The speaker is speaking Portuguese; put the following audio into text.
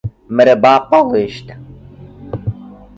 Marabá Paulista